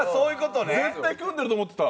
絶対、組んでると思ってた。